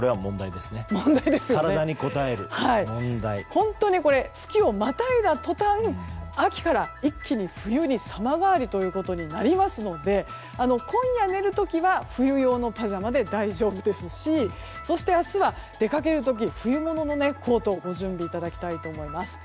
本当に月をまたいだ途端秋から一気に冬に様変わりとなりますので今夜寝る時は冬用のパジャマで大丈夫ですしそして、明日は出かける時冬物のコートをご準備いただきたいと思います。